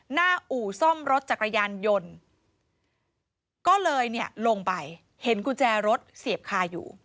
อู่ซ่อมรถจักรยานยนต์ก็เลยเนี่ยลงไปเห็นกุญแจรถเสียบคาอยู่